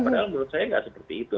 padahal menurut saya nggak seperti itu